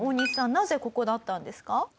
なぜここだったんですか？